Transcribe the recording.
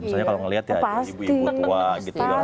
misalnya kalau melihat ya ibu ibu tua gitu